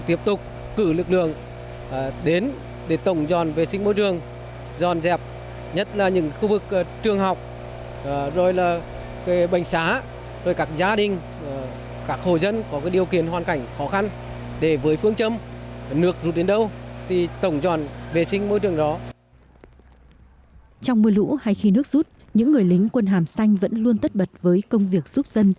trong mưa lũ hay khi nước rút những người lính quân hàm xanh vẫn luôn tất bật với công việc giúp dân